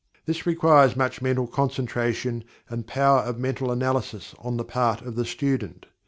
This requires much mental concentration and power of mental analysis on the part of the student.